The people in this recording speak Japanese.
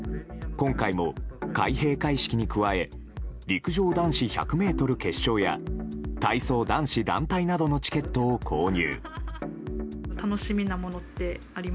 今回も開閉会式に加え陸上男子１００ｍ決勝や体操男子団体などのチケットを購入。